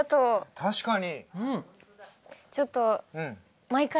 確かに。